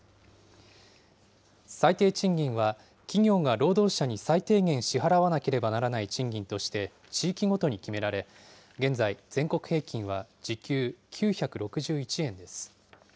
最低賃金は、企業が労働者に最低限支払わなければならない賃金として、地域ごとに決められ、現在、全国平均は時給９６１円です。